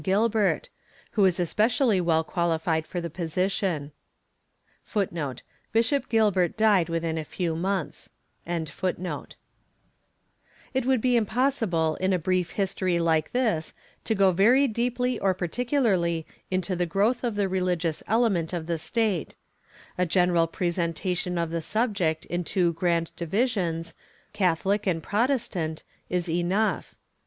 Gilbert, who is especially well qualified for the position. It would be impossible in a brief history like this to go very deeply or particularly into the growth of the religious element of the state. A general presentation of the subject in two grand divisions, Catholic and Protestant, is enough.